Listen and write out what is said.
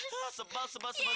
sebal sebal sebal sebal